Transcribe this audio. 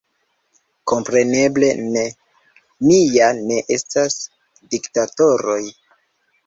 Kompreneble ne – ni ja ne estas diktatoroj!